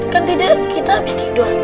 kan tidak kita habis tidur